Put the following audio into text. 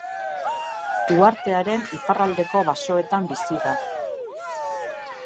Uhartearen iparraldeko basoetan bizi da.